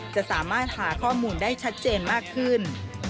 จะสามารถหาข้อมูลได้ชัดเจนมากขึ้น